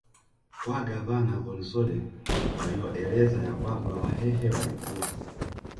kwa Gavana Von soden walioeleza ya kwamba wahehe walikuwa